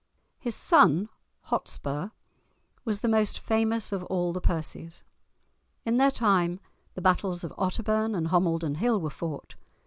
His son, "Hotspur," was the most famous of all the Percies. In their time, the battles of Otterbourne and Homildon Hill were fought.